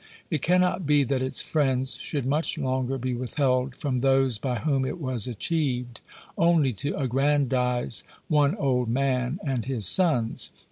It cannot be that its friends should much longer be withheld from those by whom it was achieved, only to aggrandize one old man and his sons.